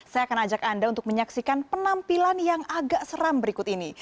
saya akan ajak anda untuk menyaksikan penampilan yang agak seram berikut ini